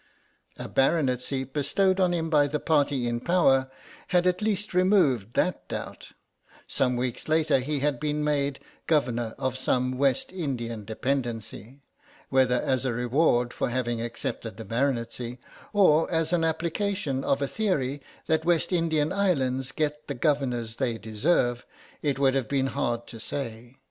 A baronetcy bestowed on him by the Party in power had at least removed that doubt; some weeks later he had been made Governor of some West Indian dependency, whether as a reward for having accepted the baronetcy, or as an application of a theory that West Indian islands get the Governors they deserve, it would have been hard to say.